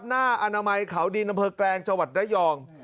เจ้าหน้าอนามัยขาวดีนนำเภอกแกรงจนายอง